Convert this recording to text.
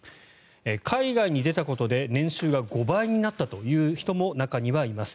海外に出たことで年収が５倍になったという人も中にはいます。